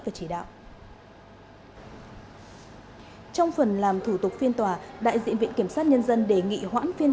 và chỉ đạo trong phần làm thủ tục phiên tòa đại diện viện kiểm sát nhân dân đề nghị hoãn phiên